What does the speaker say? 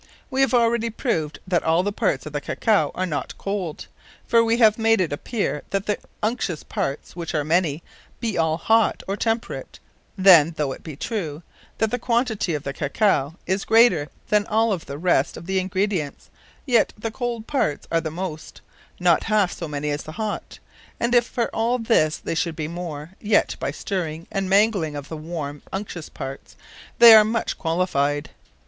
Wee have already proved, that all the parts of the Cacao are not cold. For we have made it appeare that the unctuous parts, which are many, be all hot, or temperate: then, though it be true, that the quantity of the Cacao is greater than of all the rest of the ingredients, yet the cold parts are at the most, not halfe so many as the hot; and if for all this they should be more, yet by stirring, & mangling of the warme unctuous parts, they are much qualified.